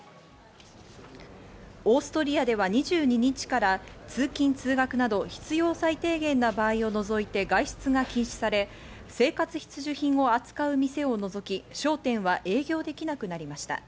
オーストリアでは２２日から通勤通学など必要最低限な場合を除いて外出が禁止され、生活必需品を扱う店を除き、商店は営業できなくなりました。